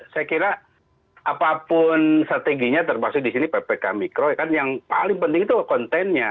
saya kira apapun strateginya termasuk ppkm mikro yang paling penting adalah kontennya